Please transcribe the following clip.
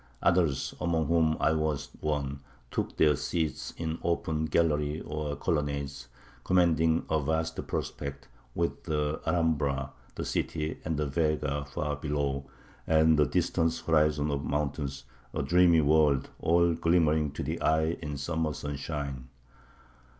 Others, among whom I was one, took their seats in an open gallery or colonnade, commanding a vast prospect; with the Alhambra, the city, and the Vega far below, and the distant horizon of mountains a dreamy world, all glimmering to the eye in summer sunshine.